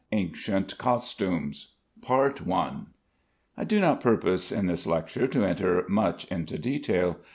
ANCIENT COSTUMES. I do not purpose in this lecture to enter much into detail.